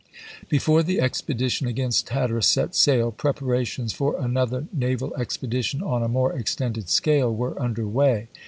Before the expedition against Hatteras set sail, preparations for another naval expedition on a more extended scale were under way.